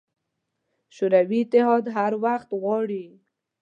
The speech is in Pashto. شوروي اتحاد هر وخت غواړي.